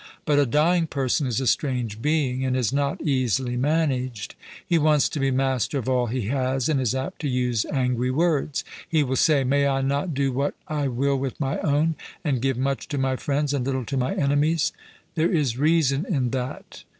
But a dying person is a strange being, and is not easily managed; he wants to be master of all he has, and is apt to use angry words. He will say, 'May I not do what I will with my own, and give much to my friends, and little to my enemies?' 'There is reason in that.'